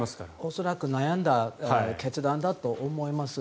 恐らく悩んだ決断だと思います。